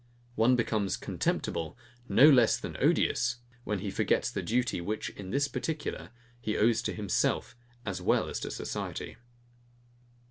One becomes contemptible, no less than odious, when he forgets the duty, which, in this particular, he owes to himself as well as to society.